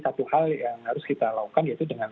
satu hal yang harus kita lakukan yaitu dengan